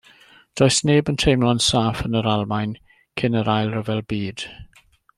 Does neb yn teimlo'n saff yn yr Almaen cyn yr Ail Ryfel Byd.